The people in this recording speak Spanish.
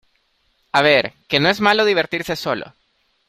a ver, que no es malo divertirse solo.